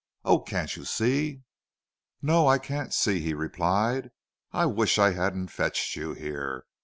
Oh! can't you see!" "No, I can't see," he replied. "I wish I hadn't fetched you here.